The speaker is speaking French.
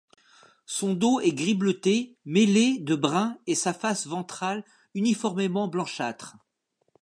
Son dos est gris bleuté mêlé de brun et sa face ventrale uniformément blanchâtre.